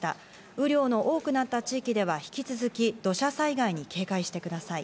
雨量の多くなった地域では引き続き、土砂災害に警戒してください。